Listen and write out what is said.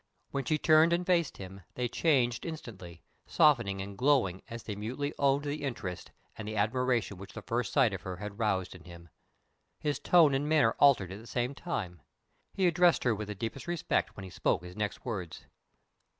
When she turned and faced him, they changed instantly, softening and glowing as they mutely owned the interest and the admiration which the first sight of her had roused in him. His tone and manner altered at the same time. He addressed her with the deepest respect when he spoke his next words.